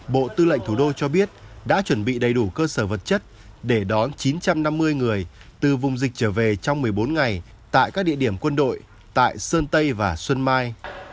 bộ tư lệnh thủ đô cho biết đã chuẩn bị đầy đủ cơ sở vật chất để đón chín trăm năm mươi người từ vùng dịch trở về trong một mươi bốn ngày tại các địa điểm quân đội tại sơn tây và xuân mai